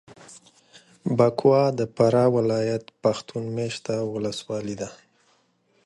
بکوا د فراه ولایت پښتون مېشته ولسوالي ده.